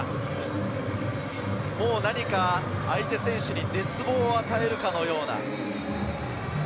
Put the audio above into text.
相手選手に絶望を与えるかのような。